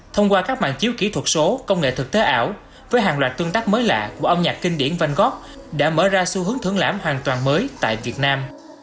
thông qua các màn chiếu kỹ thuật số công nghệ thực tế ảo với hàng loạt tương tác mới lạ của âm nhạc kinh điển vankogh đã mở ra xu hướng thượng lãm hoàn toàn mới tại việt nam